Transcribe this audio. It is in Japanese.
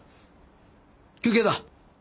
休憩だ。